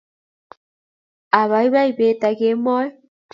Abaibai bet aK Kemoi,